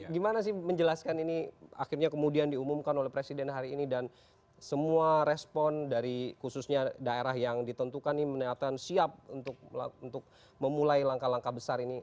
gimana sih menjelaskan ini akhirnya kemudian diumumkan oleh presiden hari ini dan semua respon dari khususnya daerah yang ditentukan ini menyatakan siap untuk memulai langkah langkah besar ini